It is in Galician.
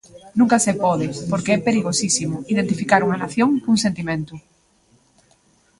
Nunca se pode, porque é perigosísimo, identificar unha nación cun sentimento.